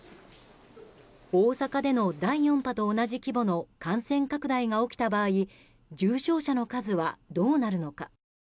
大阪での第４波と同じ規模の感染拡大が起きた場合重症者の数はどうなるのか。